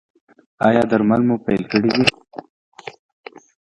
ایا درمل مو پیل کړي دي؟